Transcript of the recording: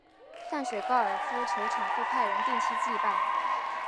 淡水高尔夫球场会派人定期祭拜。